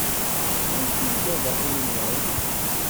D acu ugadeɣ imennan.